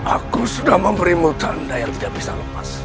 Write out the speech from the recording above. aku sudah memberimu tanda yang tidak bisa lepas